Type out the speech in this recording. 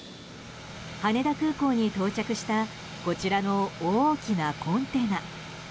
羽田空港に到着したこちらの大きなコンテナ。